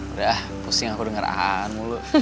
udah pusing aku denger aan mulu